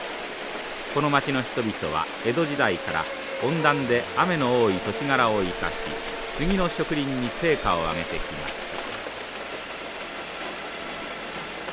この町の人々は江戸時代から温暖で雨の多い土地柄を生かし杉の植林に成果を上げてきました。